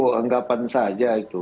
hanya anggapan ya